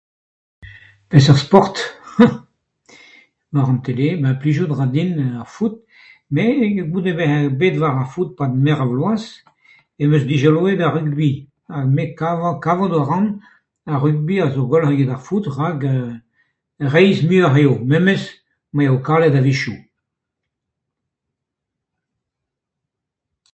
Peseurt sport ? Hem ! Oaran ket re, met plijout a ra din ar foot met goude bezañ bet war ar foot e-pad meur a vloaz em eus dizoloet ar rugbi ha me... kavout a ran hag ar rugbi a zo gwelloc'h eget ar foot rak reizh muioc'h eo memes m'az eo kalet a-wechoù.